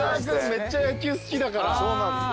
めっちゃ野球好きだから。